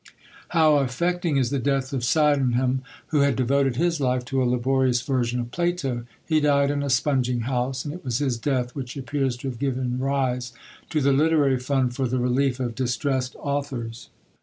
How affecting is the death of Sydenham, who had devoted his life to a laborious version of Plato! He died in a sponging house, and it was his death which appears to have given rise to the Literary Fund "for the relief of distressed authors."